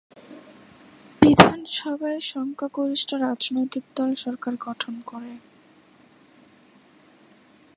বিধানসভায় সংখ্যাগরিষ্ঠ রাজনৈতিক দল সরকার গঠন করে।